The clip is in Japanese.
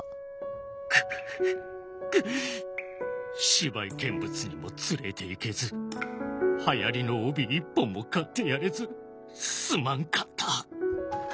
芝居見物にも連れていけずはやりの帯一本も買ってやれずすまんかった。